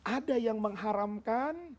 ada yang mengharamkan